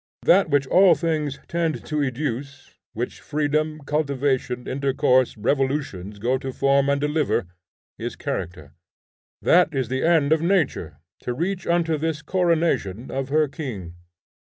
That which all things tend to educe; which freedom, cultivation, intercourse, revolutions, go to form and deliver, is character; that is the end of Nature, to reach unto this coronation of her king.